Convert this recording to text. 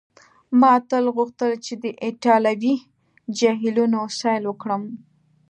ما تل غوښتل چي د ایټالوي جهیلونو سیل وکړم.